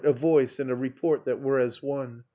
a voice and a report that were as one. .